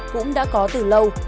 cũng đã có từ lâu